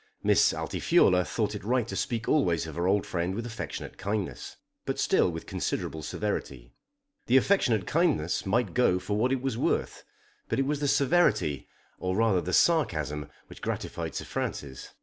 Miss Altifiorla thought it right to speak always of her old friend with affectionate kindness; but still with considerable severity. The affectionate kindness might go for what it was worth; but it was the severity, or rather the sarcasm, which gratified Sir Francis.